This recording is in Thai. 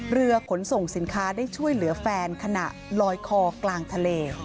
เรือขนส่งสินค้าได้ช่วยเหลือแฟนขณะลอยคอกลางทะเล